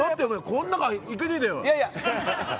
この中いけねえぜ？